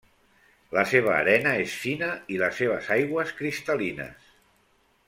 La seva arena és fina i les seves aigües cristal·lines.